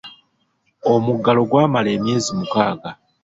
Omuggalo gwamala emyezi mukaaga.